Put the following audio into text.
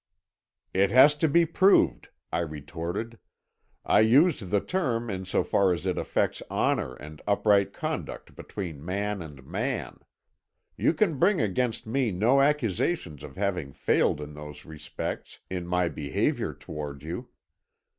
"'It has to be proved,' I retorted. 'I use the term in so far as it affects honour and upright conduct between man and man. You can bring against me no accusation of having failed in those respects in my behaviour towards you.